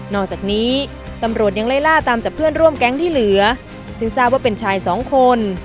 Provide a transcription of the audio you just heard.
อกจากนี้ตำรวจยังไล่ล่าตามจากเพื่อนร่วมแก๊งที่เหลือซึ่งทราบว่าเป็นชายสองคน